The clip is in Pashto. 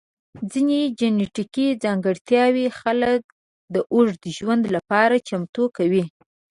ځینې جنیټیکي ځانګړتیاوې خلک د اوږد ژوند لپاره چمتو کوي.